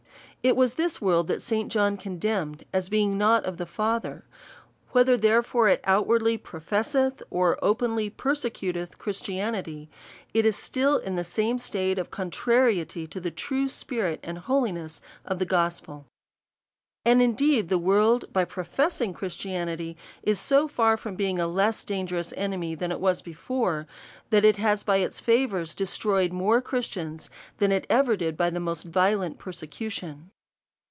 It is this world that St. John condemned, as being not of the Father ; whether therefore it outwardly professeth, or openly persecuteth Christianity, it is still in the same state of contrariety to the true spirit and holiness of the gospel. And indeed the world, by professing Christianity, is so far from being a less dangerous enemy than it was before, that it has by its favours destroyed more Christians than ever it did by the most violent perse cution.